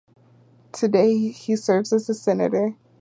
Today he serves as a Senator.